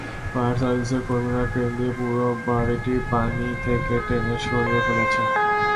Fire সার্ভিসের কর্মীরা crane দিয়ে পুরো বাড়িটি পানি থেকে টেনে সরিয়ে ফেলেছেন।